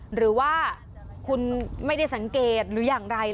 หรือว่าคุณไม่ได้สังเกตหรืออย่างไร